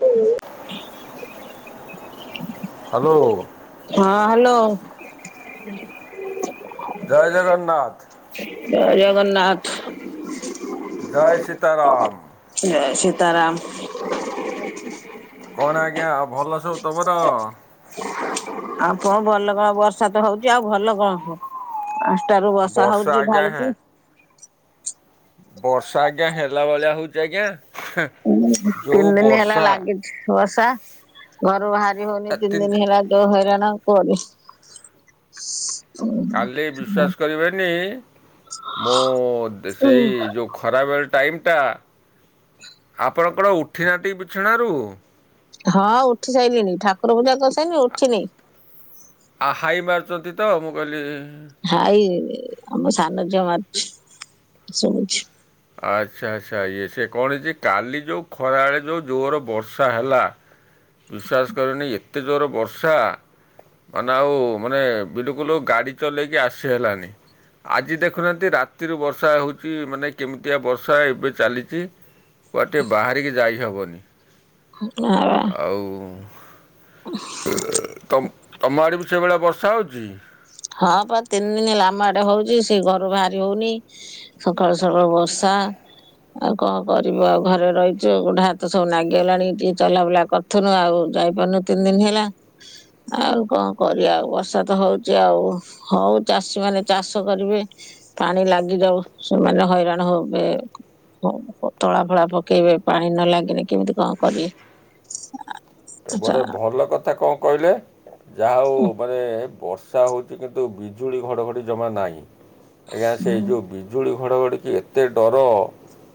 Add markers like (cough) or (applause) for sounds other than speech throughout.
ହୁଁ। ହାଲୋ। ହଁ ହାଲୋ। ଜୟ ଜଗନ୍ନାଥ୍। ଜୟ ଜଗନ୍ନାଥ୍। ଜୟ ସୀତାରାମ ଯୟ ସୀତାରାମ୍। କଣ ଆଜ୍ଞା ଆଉ ଭଲ ସବୁ ତମର? ଆଉ କଁ ଭଲ କଁ ବର୍ଷା ତ ହୋଉଚି ଆଉ ଭଲ କଁ ହବ। ପାଂସ୍ଟାରୁୁ ବର୍ଷା ହୋଉଚି ଆଜ୍ଞା ହେ- ଢାଳୁଚି। ବର୍ଷା ଆଜ୍ଞା ହେଲା ଭଳିଆ ହୋଉଚି ଆଜ୍ଞା। ହେଁ, ତିନି ଯୋଉ ଦିନି ହେଲା ବର୍ଷା ଲାଗିଚି ବର୍ଷା ଘରୁ ବାହାରି ହୋଉନି ଏ ତିନ୍ ଦିନ୍ ତିନି- ହେଲା। ଯୋଉ ହଇରାଣ କୁହନି। କାଲି ବିଶ୍ୱାସ୍ କରିବେନି ମୋ ସେଇ ଯେଉ ଖରାବେଳ୍ ଟାଇମ୍ ଟା ଆପଣ କଣ ଉଠିନାହାନ୍ତିକି ବିଛଣାରୁ? ହଁ ଉଠି ସାଇଲିଣି ଠାକୁର ପୂଜା କରିସାଇନି ଉଠିନି। ଆଉ ହାଇ ମାରୁଚନ୍ତି ତ ମୁଁ କଇଲି ହାଇ ଆମ ସାନ ଝିଅ ମାରୁଚି ଶୁବୁଛି। ଆଚ୍ଛା ଆଚ୍ଛା ଇଏ ସେ କଣ ହେଇଛି କାଲି ଯୋଉ ଖରାବେଡଳେ ଯୋଉ ଜୋରେ ବର୍ଷା ହେଲା ବିଶ୍ୱାସ୍ କରିବନି ଏତେ ଜୋରେ ବର୍ଷା ମାନେ ଆଉ ମାନେ ବିଲକୁଲୁ ଗାଡ଼ି ଚଲେଇକି ଆସି ହେଲାନି। ଆଜି ଦେଖୁନାହାନ୍ତି ରାତିରୁ ବର୍ଷା ହୋଉଚି ମାନେ କେମିତିଆ ବର୍ଷା ଏବେ ଚାଲିଚି କୁଆଡେ ଟିକେ ବାହାରିକି ଯାଇ ହବନି। (unintelligible) ଆଉ। (unintelligible) ତମ ତମ ଆଡ଼େ ବି ସେଭଳିଆ ବର୍ଷା ହେଉଛି? ହଁ ପା ତିନି ଦିନ ହେଲା ଆମ ଆଡେ ହଉଛି ସେ ଘରୁ ବାହାରି ହଉନି ସକାଳୁ ସକାଳୁ ବର୍ଷା। ଆଉ କଣ କରିବ ଆଉ ଘରେ ରହିଛୁ ଗୋଡା ହାତ ସବୁ ନାଗିଗଲାଣି ଟିକେ ଚଲାବୁଲା କରି ଏଥନୁ ଆଉ ଯାଇପାରୁନୁ ତିନି ଦିନ ହେଲା ଆଉ କଣ କରିବା ଆଉ ବର୍ଷା ତ ହଉ ଛି ଆଉ ହଉ ଚାଷୀ ମାନେ ଚାଷ କରିବେ ପାଣି ଲାଗିଯାଉ ସେମାନେ ହଇରାଣ ହବେ। ହ ତଳା ଫଳା ପକେଇବେ ପାଣି ନ ଲାଗିନି କେମିତି କଣ କରିବେ? ଚା ବଡେ ଭଲ କଥା କଣ କହିଲେ ଯାହା ହଉ ମାନେ ବର୍ଷା ହେଉଛି କିନ୍ତୁ ବିଜୁଳି ଘଡ଼ଘଡ଼ି ଜମା ନାହିଁ ଆଜ୍ଞା ସେଇ ହୁଁ ଯେଉଁ ବିଜ ବିଜୁଳି ଘଡ଼ଘଡ଼ିକି ଏତେ ଡର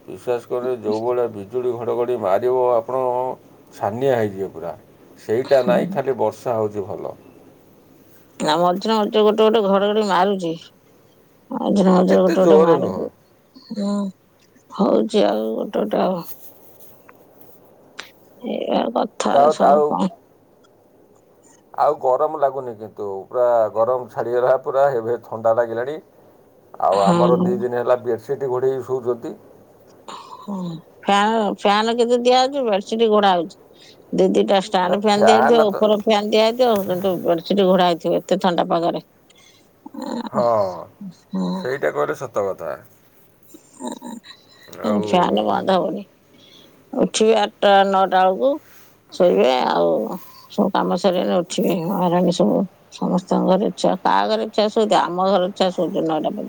ବିଶ୍ୱାସ କରେ ଯେଉଁଭଳିଆ ବିଜ ବିଜୁଳି ଘଡ଼ଘଡ଼ି ମାରିବ ଆପଣ ଛାନିଆ ହେଇଯିବେ ପୁରା ସେଇଟା ହୁଁ ନାଇଁ ଖାଲି ବର୍ଷ ର୍ଷା ହେଉଛି ଭଲ। ନା ମଝିରେ ମଝିରେ ଗୋଟେ ଗୋଟେ ଘଡଘଡି ମାରୁଛି। ମଝିରେ ମଝିରେ ଏତେ ଗୋଟେ ଗୋଟୋ ଜୋର ନୁହଁ ମାରୁଛି। ହଁ ହଉଛି ଆଉ ଗୋଟେ ଗୋଟେ ଆଉ। ଏଇଆ କଥା ତା ଆଉ ସବୁ କଣ? ଆଉ ଗରମ ଲାଗୁନି କିନ୍ତୁ ପୁରା ଗରମ ଛାଡ଼ିଗଲା ପୁରା ଏବେ ଥଣ୍ଡା ଲାଗିଲାଣି। ଆଉ ଆମର ହଁ ଦି ଦିନ ହେଲା ବେଡ଼ସିଟ୍ ଘୋଡ଼େଇ ହୋଇ ଶୋଉଛନ୍ତି। ଫାନ ଫ୍ୟାନ କି ଦିଆ ହଉଛି ବେଡସିଟ ଘୋଡା ହଉଛି ଦି ଦିଟା ନା ଫ୍ୟାନ ଫ୍ୟାନ ଫ୍ୟାନ୍ ଦିଆଯାଇଥିବ ତ ଉପର ଫ୍ୟାନ୍ ଦିଆଯଥିବ କିନ୍ତୁ ବେଡ଼ସିଟ ଘୋଡାହେଇଥିବ ଏତେ ଥଣ୍ଡା ପାଗରେ। ହଁ ସେଇଟା କହିଲେ ସତ କଥା। (unintelligible) ଉଠିବେ ଆଉ ଆଠଟା ନଅଟା ବେଳକୁ ଶୋଇବେ ଆଉ ସବୁ କାମ ସରିଗଲା ଉଠିବେ ମହାରଣୀ ସବୁ। ସମସ୍ତଙ୍କର ଇଚ୍ଛା କାହା ଘରେ ଇଚ୍ଛାରେ ସଉଛି ଆମ ଘର ଇଚ୍ଛାରେ ସୋଉଛି ନଅଟା ପଜ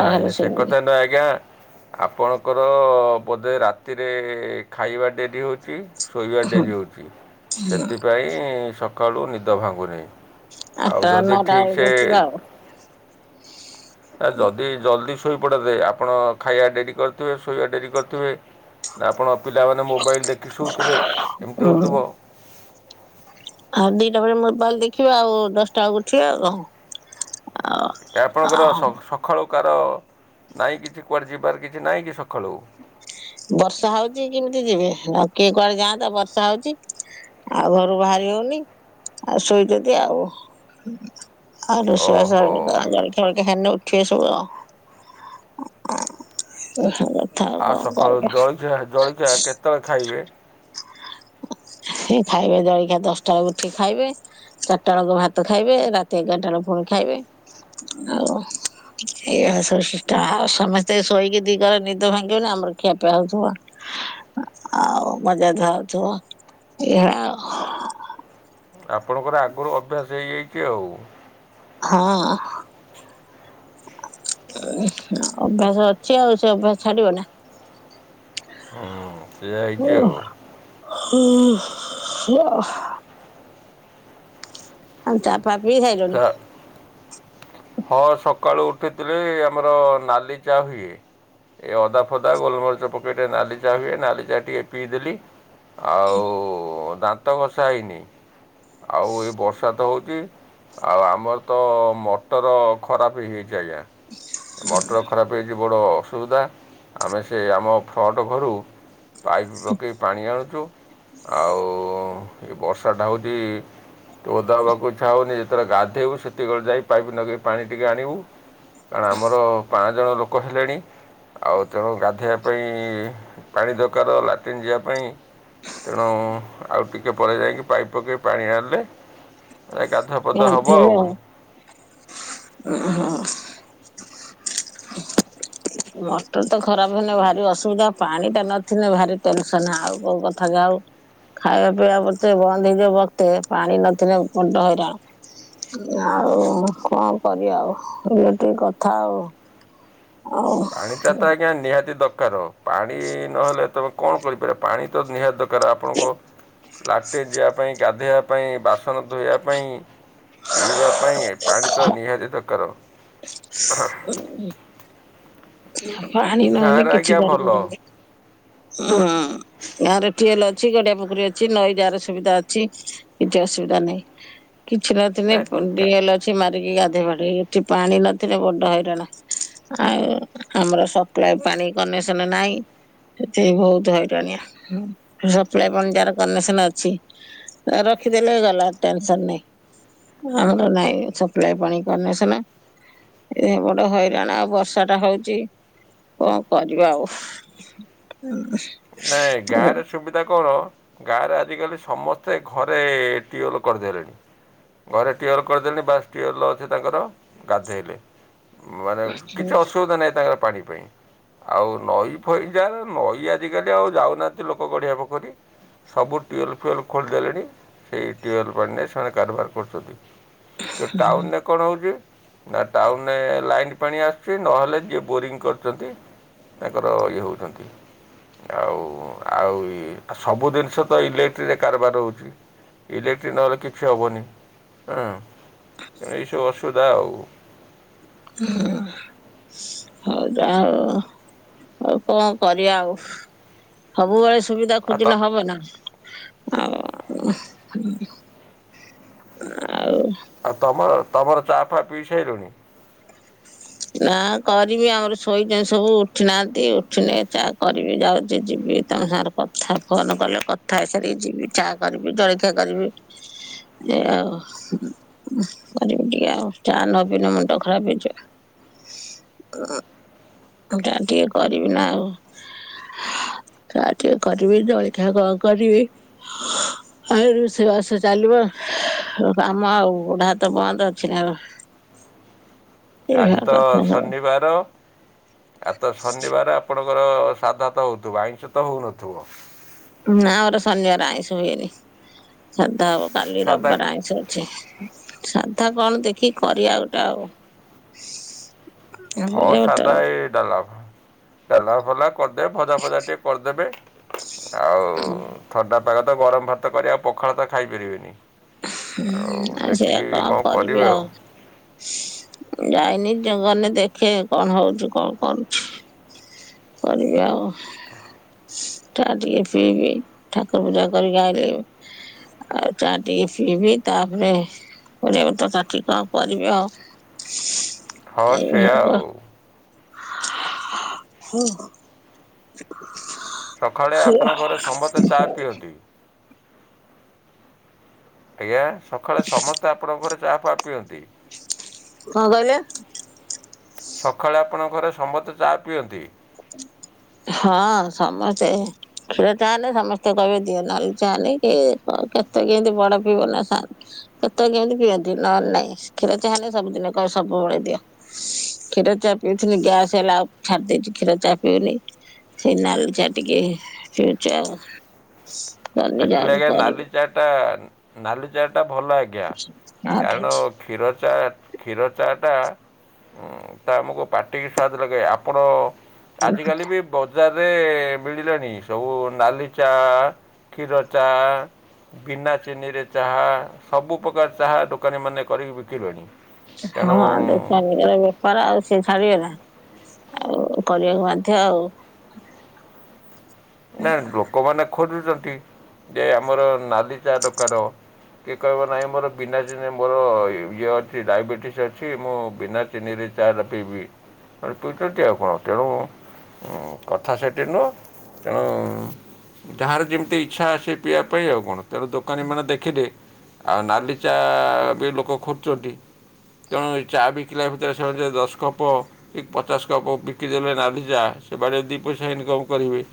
ନାଇଁ ନାଇଁ ସେ ଶୋଇବେନି। କଥା ନାଇଁ ଆଜ୍ଞା ଆପଣଙ୍କର ବୋଧେ ରାତିରେ ଖାଇବା ଡେରି ହଉଛି? ଶୋଇବା ଡେରି ହଉଛି ସେଥିପାଇଁ ସକାଳୁ ନିଦ ଭାଙ୍ଗୁନି। ଆଉ ଆଠଟା ଯଦି ନଅଟା ଠିକ ବେଳକୁ ସେ ଉଠିବେ ଆଉ ଯଦି ଜଲ୍ଦି ଶୋଇପଡ଼ନ୍ତେ ଆପଣ ଖାଇବା ଡେରି କରିଥିବେ ଶୋଇବା ଡେରି କରିଥିବେ। ଆପଣଙ୍କ ପିଲାମାନେ ମୋବାଇଲ ଦେଖି ଶଉଥିବେ ଏମିତି ହୁଁ ହେଉଥିବ। ଆଉ ଦିଟା ବେଳେ ମୋବାଇଲ ଦେଖିବା ଆଉ ଦଶଟା ବେଳକୁ ଉଠିବା ଆଉ କଣ ଆଉ ଏ ଆପଣଙ୍କର ଆଉ ସବୁ ସକାଳୁ କାର ନାଇଁ କିଛି କୁଆଡ଼େ ଯିବାର କିଛି ନାହିଁ କି ସକାଳୁ? ବର୍ଷା ହଉଛି କିମିତି ଯିବେ ଆଉ କିଏ କୁଆଡେ ଯାଆନ୍ତା ବର୍ଷା ହଉଛି। ଆଉ ଘରୁ ବାହାରି ହଉନି ଆଉ ଶୋଇଛନ୍ତି ଆଉ। ଆଉ ରୋଷେଇବାସ ଓହୋ (unintelligible) ଉଠିବେ ସବୁ (unintelligible) କଣ ଜଳଖିଆ ଜଳଖିଆ କେତବେଳେ ଖାଇବେ? ସେ ଖାଇବେ ଜଳଖିଆ ଦଶଟା ବେଳକୁ ଉଠିକି ଖାଇବେ। ଚାରିଟା ବେଳକୁ ଭାତ ଖାଇବେ ରାତି ଏଗାରଟା ବେଳକୁ ପୁଣି ଖାଇବେ ଆଉ କଣ? ଏଇଆ ସବୁ ସିଷ୍ଟମ ଆଉ ସମସ୍ତେ ଶୋଇକି ଦି ଘର ନିଦ ଭାଙ୍ଗିବନି ଆମର ଖିଆ ପିଆ ହଉଥିବ। ଆଉ ମଜାଧୁଆ ହଉଥିବ ଏଇଆ ଆଉ। ଆପଣଙ୍କର ଆଗରୁ ଅଭ୍ୟାସ ହେଇଯାଇଚି ଆଉ। ହଁ। ଉଁ ଅଭ୍ୟାସ ଅଛି ଆଉ ସେଅଭ୍ୟାସ ଛାଡ଼ିବନା। ସେଇଆ ହ ହେଇଛି ଆଉ ହ ହା ଆଉ ଚା ଫା ପିଇ ସାଇଲଣି? ଚା' ହଁ ସକାଳୁ ଉଠିଥିଲେ ଆମର ନାଲି ଚା ହୁଏ ଏ ଅଦା ଫଦା ଗୋଲମରିଚ ପକେଇ ଟିକେ ନାଲି ଚା ହୁଏ ନାଲିଚା ଟିକିଏ ପିଇଦେଲି। ଆଉ ଦାନ୍ତଘଷା ହେଇନି ଆଉ ଏ ବର୍ଷାତ ହଉଚି ଆଉ ଆମରତ ମଟର ଖରାପ୍ ହେଇଚି ଆଜ୍ଞା ମଟର ଖରାପ୍ ହେଇଚି ବଡ଼ ଅସୁବିଧା ଆମେ ସେ ଆମ ଫ୍ରଟ୍ ଘରୁ ପାଇପ୍ ପକେଇ ପାଣି ଆଣୁଚୁ ଆଉ ଏ ବର୍ଷାଟା ହେଉଚି ଟିକେ ଓଦା ହେବାକୁଇଚ୍ଛା ହେଉନି, ଯେତବେଳେ ଗାଧୋଇବୁ ସେତିକିବେଳେ ଯାଇ ପାଇପ୍ ନଗେଇ ପାଣି ଟିକେ ଆଣିବୁ କାରଣ ଆମର ପାଞ୍ଚ ଜଣ ଲୋକ ହେଲେଣି ଆଉ ତେଣୁ ଗାଧୋଇବା ପାଇଁ ପାଣି ଦରକାର ଲାଟିନ୍ ଯିବା ପାଇଁ ତେଣୁ ଆଉ ଟିକେ ପରେ ଯାଇକି ପାଇପ୍ ପକେଇ ପାଣି ଆଣିଲେ ଗାଧୁଆ ଅଦା ହବ ଆଉ। ହଁ। ମଟରତ ଖରାପ୍ ହେନେ ଭାରି ଅସୁବିଧା ପାଣିଟା ନଥିନେ ଭାରି ଟେନସନ୍ ଆଉ କୋଉ କଥା ଯାଉ ଖାଇବା ପିଇବା ପତେ ବନ୍ଦ ହେଇଯାଉ ବକ୍ତେ ପାଣି ନଥିଲେ ବଡ ହଇରାଣ। ଆଉ କଁ କରିବା ଆଉ ଏମିତି କଥା ଆଉ। ଆଉ ପାଣିଟାତ ଆଜ୍ଞା ନିହାତି ଦରକାର ପାଣି ନହେଲେ ତମେ କଣ କରିପାର ପାଣିତ ନିହାତି ଦର ତ ଆପଣଙ୍କ ଲାଟିନ୍ ଯିବା ପାଇଁ ଗାଧୋଇବା ପାଇଁ ବାସନଧୋଇବା ପାଇଁ ପିଇବା ପାଇଁ ପାଣିତ ନିହାତିି ଦରକାର। ହୁଁ। ପାଣି ନହେଲେ ଗାଁରେ କିଛି ଆଜ୍ଞା ଭଲ କରିପାରୁବୁନି ହୁଁ। ଗାଁରେ ଟିଏଲ ଅଛି ଗାଡ଼ିଆ ପୋଖରୀ ଅଛି ନଈ ଯାର ସୁବିଧା ଅଛି କିଛି ଅସୁବିଧା ନାହିଁ। କିଛି ନଥିଲେ (inaudible) ନାଇଁ ଡିଏଲ ମାରିକି ଗାଧୋଇ ପଢ଼େ ଏଠି ପାଣି ନଥିଲେ ବଡ଼ ହଇରାଣ ଆଉ ଆମର ସପ୍ଲାଇ ପାଣି କନେକ୍ସନ ନାହିଁ ସେଥିପାଇଁ ବହୁତ୍ ହଇରାଣିଆ ସପ୍ଲାଇ ପାଣି ଯାର କନେସନ୍ ଅଛି ଆଁ ରଖିଦେଲେ ଗଲା ଟେନସନ୍ ନାହିଁ। ଆମର ନାଇଁ ସପ୍ଲାଇ ପାଣି କନେସନ୍ ଏ ବଡ ହଇରାଣ ଆଉ ବର୍ଷାଟା ହଉ ଚି କଁ କରବା ଆଉ। ନାଇଁ ଗାଁରେ ସୁବି କଣ ଗାଁରେ ଆଜିକାଲି ସମସ୍ତେ ଘରେ ଟିୱଲ୍ କରିଦେଲେଣି ଘରେ ଟିୱଲ୍ କରିଦେଲିଣି ବାସ୍ ଟିୱଲ୍ ଅଛି ତାଙ୍କର ଗାଧେଇଲେ। ମାନେ କିଛି ଅସୁବିଧା ନାହିଁ ତାଙ୍କର ପାଣି ପାଇଁ ଆଉ ନଈ ଫଇ ଯାର ନଈ ଆଜିକାଲି ଆଉ ଯାଉନାହାନ୍ତି ଲୋକ ଗାଡ଼ିଆ ପୋଖରୀ ସବୁ ଟ୍ୟୁୱେଲ୍ ଫୁୱେଲ୍ ଖୋଲିଦେଲେଣି ସେଇ ଟ୍ୟୁୱେଲ୍ ପାଣିରେ ସେମାନେ କାରବାର କରୁଚନ୍ତି। ଟାଉନରେ କଣ ହେଉଚିନା ଟାଉନରେ ଲାଇନ୍ ପାଣି ଆସୁଚି ନହେଲେ ଯିଏ ବୋରିଂ କରୁଚନ୍ତି ତାଙ୍କର ଇଏ ହେଉଚନ୍ତି। ଆଉ ଆଉ ଇ ସବୁ ଜିନିଷ ତ ଇଲେକ୍ଟ୍ରି ରେ କାରବାର ହୋଉଚି। ଇଲେକ୍ଟ୍ରି ନହେଲେ କିଛି ହେବନି ଉଁ ଏଇସବୁ ଅସୁବିଧା ଆଉ। ହଁ ଯା (unintelligible) ହଉ। ଆଉ କଣ କରିବା ଆଉ ସବୁବେଳେ ସୁବିଧା ଆଉ ତ ଖୋଜିଲେ ହବ ନା? ଆଉ ଆଉ। ଆଉ ତମର ତମର ଚାଫା ପିଇସାଇଲେଣି? ନା କରିବି ଆମର ଶୋଇଛନ୍ତି ସବୁ ଉଠି ନାହାନ୍ତି ଉଠିନେ ଚା କରିବି ଯାଉଛି ଯିବି। ତମ ସାଙ୍ଗରେ କଥା ଫୋନ କଲେ କଥା ହେଇସାରିକି ଯିବି ଚା କରିବି ଜଳଖିଆ କରିବି। ଏୟା ଆଉ କରିବି ଟିକେ ଆଉ ଚା ନପିଇଲେ ମୁଣ୍ଡ ଖରାପ ହେଇ ଚା ଟିକେ କରିବି ନା ଆଉ। ଚା ଟିକେ କରିବି ଜଳିଖିଆ କଣ କରିବି? ଆ ରୁଷେଇବାସ ଚାଲିବ କାମ ଆଉ ଗୋଡ ହାତ ବନ୍ଦ ଅଛି ନା। ଆଜି ଏଇଭଳିଆ ତ କଥା ସବୁ ଶନିବାର ତ। ଆଜିତ ଶନିବାର ଆପଣଙ୍କର ସାଧା ତ ହୋଉଥିବ ଆଇଁଷ ତ ହୋଉନଥିବ। ନା ଆମର ଶନିବାର ଆଇଁଷ ହୁଏନି ସାଧା ହବ କାଲି ରବି ସାଧା ବାର ଆଇଁଷ। ସାଧା କଣ ଦେଖିକି କରିବା ଗୋଟେ ଆଉ। ହଁ କରିବା ଗୋଟେ ସାଦା ଆଉ। ଏ ଡାଲାଭ ଡାଲାମାଫାଲମା। କରିଦେବେ ଭଜା ଫଜା ଟିକେ କରିଦେବେ ଆଉ ଥଣ୍ଡା ପାଗ ତ ଗରମ ଭାତ କରି ଆଉ ପଖାଳ ତ ଖାଇପାରିବେନି। ଆଉ ସେଇଆ କଣ କରିବି ଆଉ? ଯାଇନି ଗନେ ଦେଖେ କଣ ହଉଛି କଣ କରୁଛି। କରିବି ଆଉ। ଚା ଟିକେ ପିଇବି ଠାକୁର ପୂଜା କରିକି ଆଇଲି। ଆଉ ଚା ଟିକେ ପିଇବି ତାପରେ ପରିବାପତ୍ର କାଟିକି କଣ କରିବି ଆଉ। ସି। (inaudible) ହଁ ସେୟା ଆଉ। ହ୍ୟାଲୋ (unintelligible) ସଖାଳେ ଆପଣଙ୍କ ଘରେ ସମସ୍ତେ ଚା ପିଅନ୍ତି? ଆଜ୍ଞା ସଖାଳେ ସମସ୍ତେ ଆପଣଙ୍କ ଘରେ ଚାହା ପାହା ପିଅନ୍ତି? କଣ କହିଲେ? ସଖାଳେ ଆପଣଙ୍କ ଘରେ ସମସ୍ତେ ଚା ପିଅନ୍ତି? ହଁ ସମସ୍ତେ। କ୍ଷୀର ଚା ନା ସମସ୍ତେ କହିବେ ଦିଅ ନାଲି ଚା ହେଲେ କିଏ କେତେ କେମତି ବଡ ପିଇବନି ଆ ସାନ୍ କେତୋଓଳେ କେମତି ପିଅନ୍ତି ନହଲେ ନାଇଁ କ୍ଷୀର ଚା ହେ ଲେ ସବୁଦିନ କହିବେ ସବୁବେଳେ ଦିଅ। କ୍ଷୀର ଚା ପିଉଥିଲି ଗ୍ୟାସ ହେଲା ଆଉ ଛାଡି ଦେଇଚି। କ୍ଷୀର ଚା ପିଉନି ସେଇ ନାଲି ଚା ଟିକେ ପିଉଚି ଆଉ। ଆକଚୁଆଲି ଆଜ୍ଞା ନାଲି ଚାହାଟା ନାଲି ଚାହାଟା ଭଲ ଆଜ୍ଞା ଆଉ କାରଣ କିଛି କ୍ଷୀର ଚା କ୍ଷୀର ଚାହାଟା ହୁଁ ତ ଆମକୁ ପାଟିକୁ ସ୍ୱାଦ ଲାଗେ ଆପଣ ଆଜିକାଲି ବି ବଜାରରେ ମିଳିଲାଣି ସବୁ ନାଲି ଚା? କ୍ଷୀର ଚା। ବିନା ଚିନିରେ ଚାହା ସବୁପ୍ରକାର ଚାହା ଦୋକାନୀମାନେ କରିକି ବିକିଲେଣି। ହଁ ତେଣୁ ଦୋକାନବେ (unintelligible) ବେପାର ଆଉ ସିଏ ଛାଡିବେ ନା ଆଉ କରିବାକୁ ବାଧ୍ୟ ଆଉ। ନା ଲୋକମାନେ ଖୋଜୁଛନ୍ତି ଯେ ଆମର ନାଲି ଚା ଦକାର। କିଏ କହିବ ନାହିଁ ମୋର ବିନା ଚିନି ରେ ମୋର ଇଏ ଅଛି ଡାଇବେଟିସ୍ ଅଛି ମୁଁ ବିନା ଚିନିରେ (unintelligible) ହୁଁ କଥା ସେଠି ନୁହଁ। ତେଣୁ ଯାହାର ଯେମିତି ଇଚ୍ଛା ଆସ ପିଇବା ପାଇଁ ଆଉ କଣ। ତେଣୁ ଦୋକାନୀମାନେ ଦେଖିଲେ ଆଉ ନାଲି ଚା ବି ଲୋକ ଖୋଜୁଛନ୍ତି। ତେଣୁ ଚା ବିକିଲା ଭିତରେ ସେ ଦଶ କପ କି ପଚାଶ କପ ବିକିଦଲେ ନାଧିଚା ସେ ବାଡ଼ ଦୁଇ ପଇସା ଇନକମ୍ କରିବେ।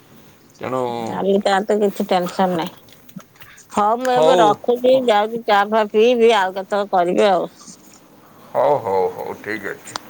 ତେଣୁ ତାର ତ କିଛି ଟେନସନ ନାହିଁ। ହଁ ମୁଁ ଏବେ ହଉ ରଖୁ ଦେଖୁଛି ଯାଉଛି ଚା ଫା ପିଇବି ଆଉ କେତେ କରିବି ଆଉ। ହଉ ହଉ ହଉ ଠିକ୍ ଅଛି।